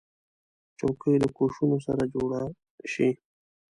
چوکۍ له کوشنو سره جوړه شي.